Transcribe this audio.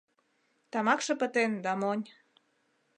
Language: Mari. Тамакше пытен да монь.